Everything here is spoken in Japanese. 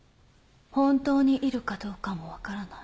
本当にいるかどうかも分からない